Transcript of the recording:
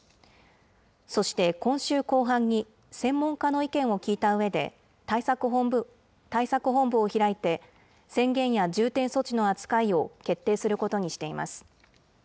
そして今週後半に、専門家の意見を聞いたうえで、対策本部を開いて、宣言や重点措置の扱いを決定することにしています。